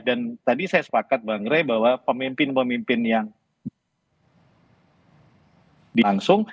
dan tadi saya sepakat bang ray bahwa pemimpin pemimpin yang di langsung